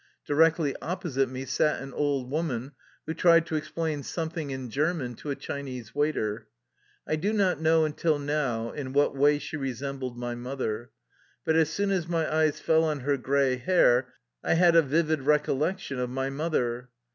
Directly opposite me sat an old woman who tried to explain some thing in German to a Chinese waiter. I do not know until now in what way she resembled my mother, but as soon as my eyes fell on her gray hair I had a vivid recollection of my mother.